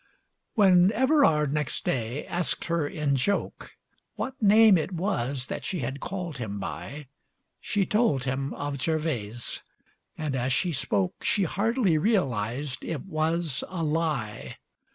LIII When Everard, next day, asked her in joke What name it was that she had called him by, She told him of Gervase, and as she spoke She hardly realized it was a lie.